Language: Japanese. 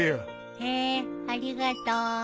へえありがとう。